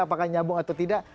apakah nyambung atau tidak